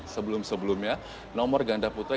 sebelum sebelumnya nomor ganda putra